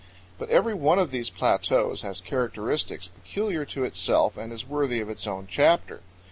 But every one of these plateaus has characteristics peculiar to itself and is worthy of its own chapter.